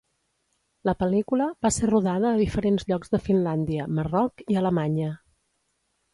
La pel·lícula va ser rodada a diferents llocs de Finlàndia, Marroc i Alemanya.